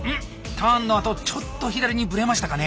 ターンのあとちょっと左にぶれましたかね？